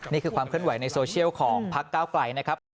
นี่คือความเคลื่อนไหวในโซเชียลของพักเก้าไกลนะครับ